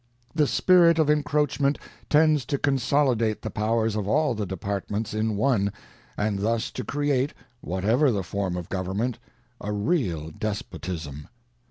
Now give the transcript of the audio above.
ŌĆö The spirit of encroachment tends to consolidate the powers of all the departments in one, and thus to create, whatever the form of government, a real despotism.